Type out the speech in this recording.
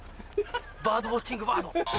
バードウオッチングバード！